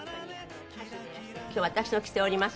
今日私の着ております